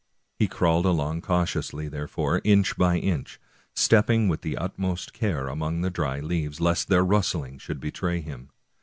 He crawled along cautiously, there fore, inch by inch, stepping with the utmost care among the dry leaves, lest their rustling should betray him.